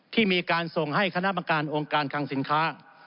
ที่มีการส่งให้คณะประการองค์การคังสินค้า